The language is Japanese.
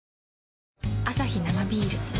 アサヒ生ビール